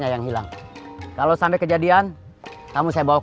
dia ke cimahi pulang ke istrinya kan mau lebaran